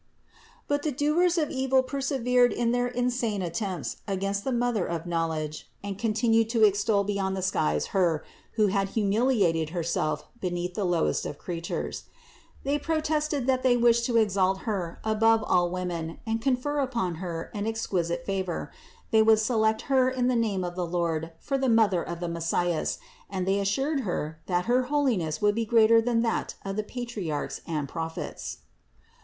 But the doers of evil persevered in their insane attempts against the Mother of knowledge and continued to extol beyond the skies Her, who had humiliated Herself beneath the lowest of creatures. They protested that they wished to exalt Her above all women and confer upon Her an exquisite favor: they would select Her in the name of the Lord for the Mother of the THE INCARNATION 275 Messias, and they assured Her that her holiness would be greater than that of the Patriarchs and Prophets.